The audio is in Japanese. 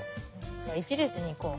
じゃあ１れつにいこう。